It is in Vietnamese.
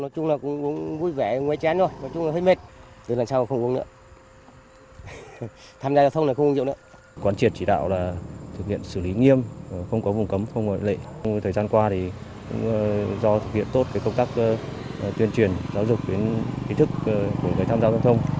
công an tỉnh đã thực hiện tốt công tác tuyên truyền giáo dục đến ý thức của người tham gia giao thông thông